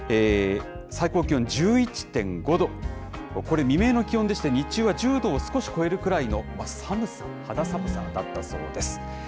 最高気温１１．５度、これ、未明の気温でして、日中は１０度を少し超えるくらいの寒さ、肌寒さだったそうです。